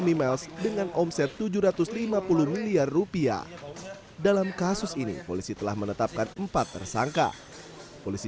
mimiles dengan omset tujuh ratus lima puluh miliar rupiah dalam kasus ini polisi telah menetapkan empat tersangka polisi